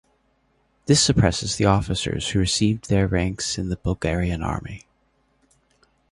This suppressed the officers who received their ranks in the Bulgarian Army.